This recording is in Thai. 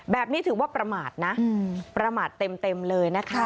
แบบนี้ถือว่าประมาทนะประมาทเต็มเลยนะคะ